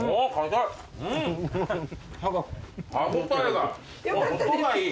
歯応えが音がいい。